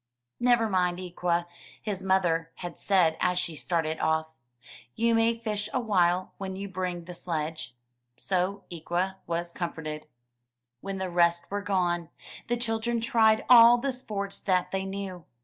''Never mind, Ikwa, his mother had said as she started off; ''yo^ ^^.y fish awhile when you bring the sledge. So Ikwa was comforted. When the rest were gone, the children tried all the sports that they knew.